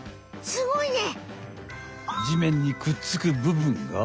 すごいね。